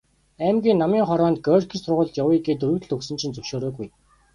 Аймгийн Намын хороонд Горькийн сургуульд явъя гээд өргөдөл өгсөн чинь зөвшөөрөөгүй.